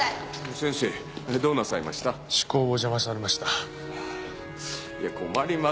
先生どうなさいました？